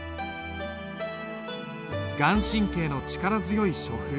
顔真の力強い書風。